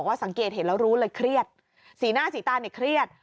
สังเกตเห็นแล้วรู้เลยเครียดสีหน้าสีตาเนี่ยเครียด